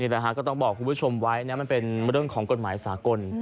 ก็ต้องบอกคุณผู้ชมไว้นะมันเป็นเรื่องของกฎหมายสากล